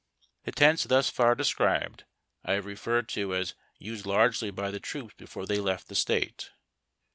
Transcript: The tents thus far described I have referred to as used largely by the troops before they left the State.